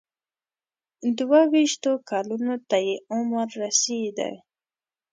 دوه ویشتو کلونو ته یې عمر رسېدی.